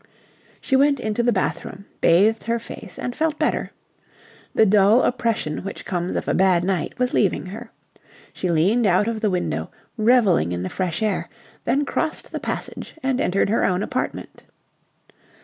She went into the bathroom, bathed her face, and felt better. The dull oppression which comes of a bad night was leaving her. She leaned out of the window, revelling in the fresh air, then crossed the passage and entered her own apartment.